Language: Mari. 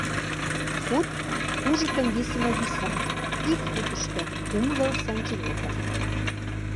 Фут — кужытым висыме виса, ик футышто кумло сантиметр.